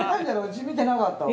私見てなかったわ。